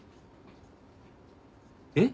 えっ？